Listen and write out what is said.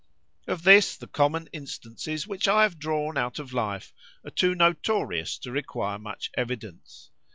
"Of this the common instances which I have drawn out of life, are too notorious to require much evidence.